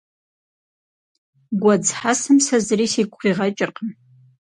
Гуэдз хьэсэм сэ зыри сигу къигъэкӀыркъым.